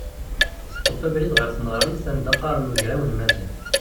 Teṭṭef abrid ɣer tneɣrit anda qqaren ugraw n Maziɣ.